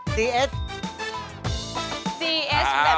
ซีเอสซีเอสแบตเตอรี่